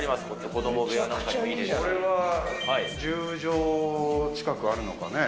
これは１０畳近くあるのかね。